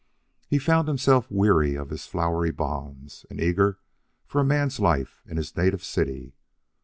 He found himself weary of his flowery bonds and eager for a man's life in his native city.